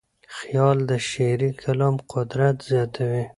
خیال د شعري کلام قدرت زیاتوي.